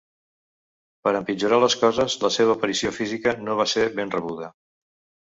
Per empitjorar les coses, la seva aparició física no va ser ben rebuda.